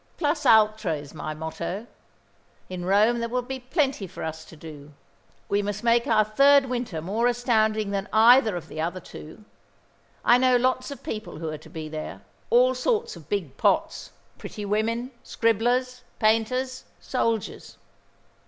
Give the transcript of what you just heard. Plus ultra is my motto. In Rome there will be plenty for us to do. We must make our third winter more astounding than either of the other two. I know lots of people who are to be there, all sorts of big pots, pretty women, scribblers, painters, soldiers.